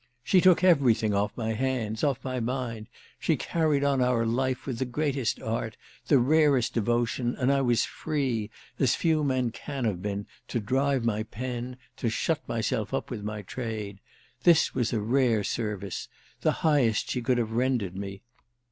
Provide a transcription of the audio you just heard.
"She took everything off my hands—off my mind. She carried on our life with the greatest art, the rarest devotion, and I was free, as few men can have been, to drive my pen, to shut myself up with my trade. This was a rare service—the highest she could have rendered me.